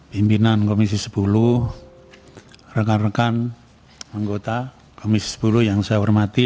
pimpinan komisi sepuluh rekan rekan anggota komisi sepuluh yang saya hormati